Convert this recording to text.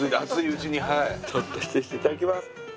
ちょっと失礼していただきます。